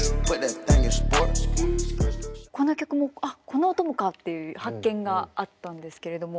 この曲もああこの音もかっていう発見があったんですけれども。